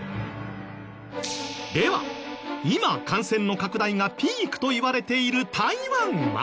では今感染の拡大がピークといわれている台湾は。